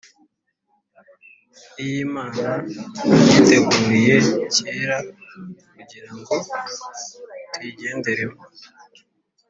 iy’Imana yiteguriye cyera, kugirango tuyigenderemo.